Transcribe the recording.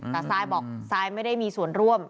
แต่ซายบอกซายไม่ได้มีส่วนร่วม